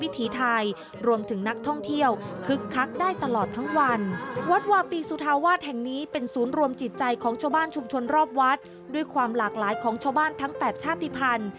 ที่มีการจัดสรรพวัดด้วยความหลากหลายของชาวบ้านทั้งแปดชาติภัณฑ์